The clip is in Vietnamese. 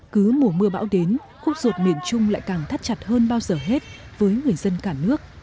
cứ mùa mưa bão đến khúc ruột miền trung lại càng thắt chặt hơn bao giờ hết với người dân cả nước